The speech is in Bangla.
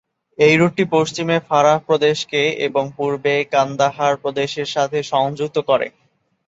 এই রুটটি পশ্চিমে ফারাহ প্রদেশকে এবং পূর্বে কান্দাহার প্রদেশের সাথে সংযুক্ত করে।